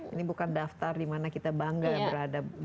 ini bukan daftar dimana kita bangga berada